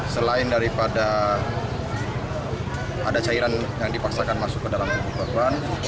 selain daripada ada cairan yang dipaksakan masuk ke dalam tubuh korban